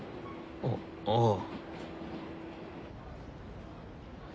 あああ。